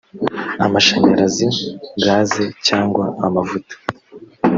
amashanyarazi gaze cyangwa amavuta